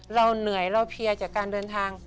เราเหนื่อยเราเพลียจากการเดินทาง